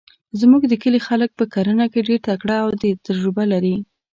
زموږ د کلي خلک په کرنه کې ډیرتکړه ده او تجربه لري